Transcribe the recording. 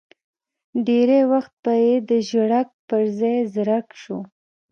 ډېری وخت به یې د ژړک پر ځای زرک شو.